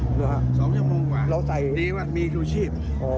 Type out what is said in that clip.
๒ชั่วโมงกว่าดีว่ามีชูชีพ